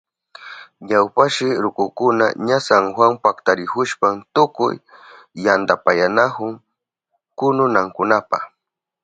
Ñawpashi rukukunaka ña San Juan paktarihushpan tukuy yantapayanahun kununankunapa.